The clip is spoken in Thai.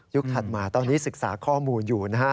ถัดมาตอนนี้ศึกษาข้อมูลอยู่นะฮะ